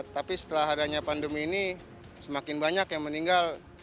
tapi setelah adanya pandemi ini semakin banyak yang meninggal